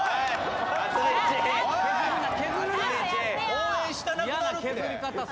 応援したなくなるって。